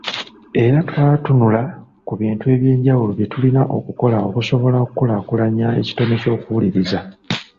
Era twatunula ku bintu eby’enjawulo bye tulina okukola okusobola okukulaakulanya ekitone ky’okuwuliriza.